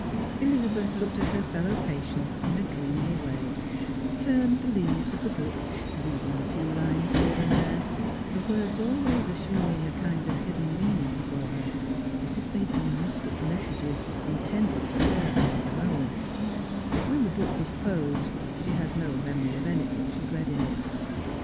Elizabeth looked at her fellow patients in a dreamy way; turned the leaves of the books — reading a few lines here and there — the words always assuming a kind of hidden meaning for her, as if they had been mystic messages intended for her eye alone; but when the book was closed she had no memory of anything she had read in it.